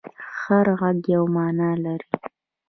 هر غږ یوه معنی لري.